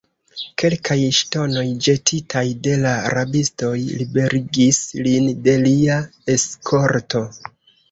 Kelkaj ŝtonoj, ĵetitaj de la rabistoj, liberigis lin de lia eskorto.